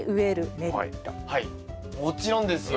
はいもちろんですよ。